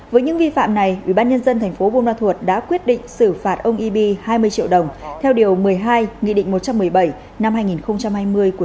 với những vi phạm này ubnd tp vn đã quyết định xử phạt ông yb hai mươi triệu đồng theo điều một mươi hai nghị định một trăm một mươi bảy năm hai nghìn hai mươi của chính phủ về xử phạt vi phạm hành chính trong lĩnh vực y tế